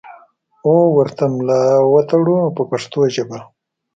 او ورته ملا وتړو په پښتو ژبه.